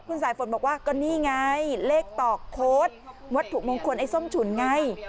คุณสายฝนบอกว่าก็นี่ไงเลขตอกโค้ดวัตถุมงคลไอ้ส้มฉุนไง